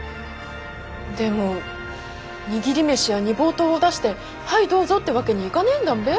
でも握り飯や煮ぼうとうを出して「はいどうぞ」ってわけにいがねぇんだんべ。